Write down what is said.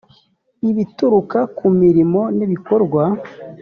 ibituruka ku mirimo n ibikorwa